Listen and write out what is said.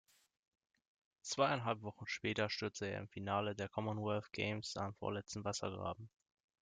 Zweieinhalb Wochen später stürzte er im Finale der Commonwealth Games am vorletzten Wassergraben.